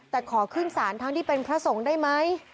แต่ขอขึ้นศาลทั้งที่เป็นพระสงฆ์ได้ไหม